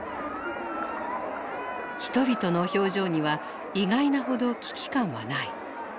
人々の表情には意外なほど危機感はない。